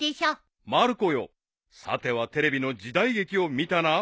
［まる子よさてはテレビの時代劇を見たな］